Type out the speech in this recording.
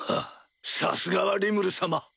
さすがはリムル様。